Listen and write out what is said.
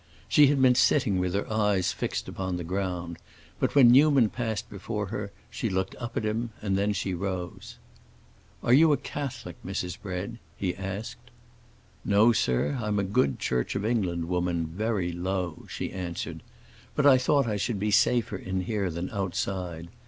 She had been sitting with her eyes fixed upon the ground, but when Newman passed before her she looked up at him, and then she rose. "Are you a Catholic, Mrs. Bread?" he asked. "No, sir; I'm a good Church of England woman, very Low," she answered. "But I thought I should be safer in here than outside.